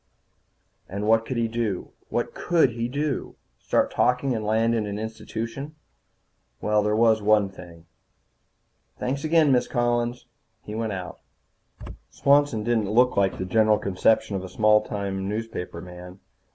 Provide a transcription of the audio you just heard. And what could he do? What could he do? Start talking and land in an institution? Well, there was one thing. "Thanks again, Miss Collins." He went out. Swanson didn't look like the general conception of a small town newspaperman.